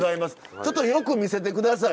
ちょっとよく見せて下さい。